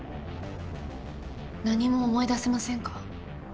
何も思い出せませんか？